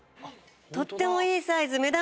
とってもいいサイズ。